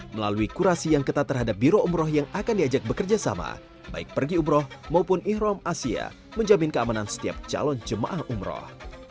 melalui kurasi yang ketat terhadap biro umroh yang akan diajak bekerja sama baik pergiumroh maupun ikhrom asia mengjamin keamanan setiap calon cumaek umroh